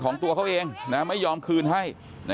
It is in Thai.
ตัวเขาเองไม่ยอมคืนให้